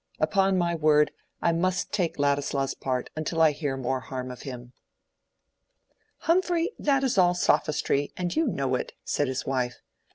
Upon my word, I must take Ladislaw's part until I hear more harm of him." "Humphrey, that is all sophistry, and you know it," said his wife.